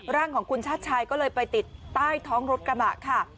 ร่างของคุณชาติชายก็เลยไปติดใต้ท้องรถกระบะค่ะ